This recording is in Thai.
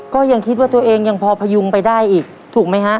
ก็ยังคิดว่าตัวเองยังพอพยุงไปได้อีกถูกไหมฮะ